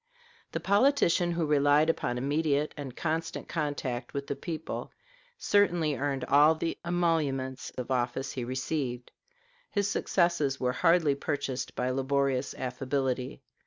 The politician who relied upon immediate and constant contact with the people certainly earned all the emoluments of office he received. His successes were hardly purchased by laborious affability.